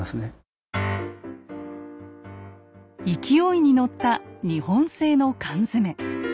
勢いに乗った日本製の缶詰。